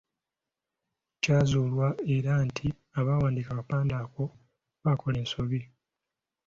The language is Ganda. Kyazuulwa era nti abaawandiika akapande ako baakola ensobi.